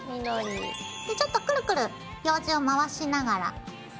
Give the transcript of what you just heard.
ちょっとクルクルようじを回しながら。